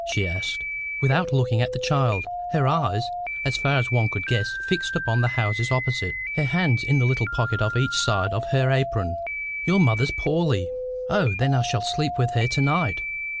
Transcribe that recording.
she asked, without looking at the child; her eyes, as far as one could guess, fixed upon the houses opposite, her hands in the little pocket on each side of her apron. "Your mother's poorly." "Oh, then I shall sleep with her to night?"